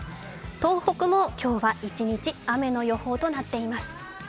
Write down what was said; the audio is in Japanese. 東北も今日は一日雨の予報となっています。